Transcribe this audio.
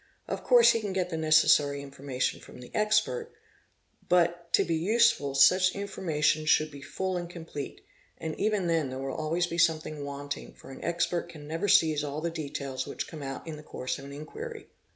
Of course he can get the necessary informa: tion from the expert; but, to be useful, such information should be full an complete ; and even then there will always be something wanting, f 'al expert can never seize all the details which come out in the course of. F E inquiry.